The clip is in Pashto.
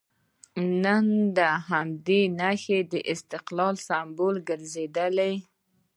نن همدې نښې د استقلال سمبول ګرځېدلي.